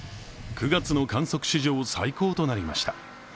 ９月の観測史上最高となりました。